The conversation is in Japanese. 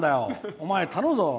お前、頼むぞ。